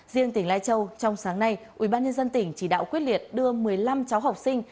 riêng tỉnh lai châu trong sáng nay ubnd tỉnh chỉ đạo quyết liệt đưa một mươi năm cháu học sinh